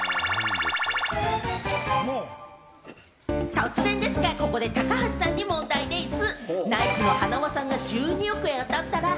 突然ですがここで高橋さんに問題でぃす！